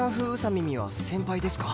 耳は先輩ですか？